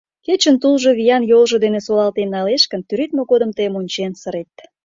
Кечын тулжо виян йолжо дене солалтен налеш гын, тӱредме годым тыйым ончен сырет.